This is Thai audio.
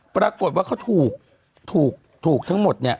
ปรากฏว่าเขาถูกทั้งหมด